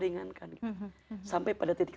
ringankan sampai pada titik